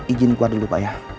izin kuat dulu pak ya